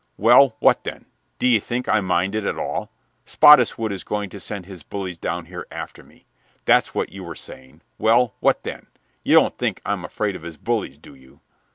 Well, what then? D'ye think I mind it at all? Spottiswood is going to send his bullies down here after me. That's what you were saying. Well, what then? You don't think I'm afraid of his bullies, do you?"